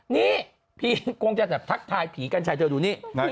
นี่พี่คงจะแบบทักทายผีกัญชัยเธอดูนี่